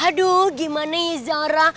aduh gimana ya zara